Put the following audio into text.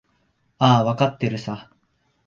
ああ、わかってるさ。